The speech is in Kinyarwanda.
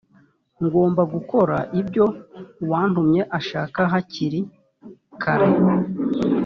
ngomba gukora ibyo uwantumye ashaka hakiri kare